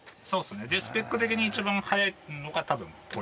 スペック的に一番速いのがたぶんこれかな。